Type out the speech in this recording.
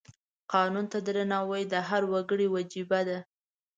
قانون ته درناوی د هر وګړي وجیبه ده.